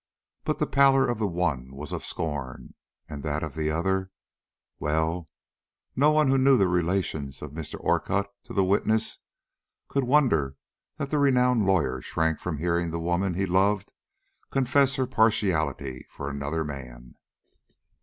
But the pallor of the one was of scorn, and that of the other Well, no one who knew the relations of Mr. Orcutt to the witness could wonder that the renowned lawyer shrank from hearing the woman he loved confess her partiality for another man.